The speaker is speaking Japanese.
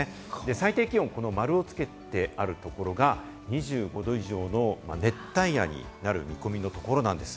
最低気温に〇をつけてあるところが２５℃以上の熱帯夜になる見込みのところなんです。